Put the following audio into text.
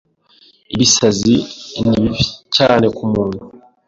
Ibisazi ni bibi cyane ku muntu